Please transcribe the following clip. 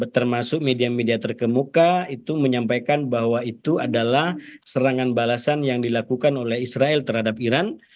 termasuk media media terkemuka itu menyampaikan bahwa itu adalah serangan balasan yang dilakukan oleh israel terhadap iran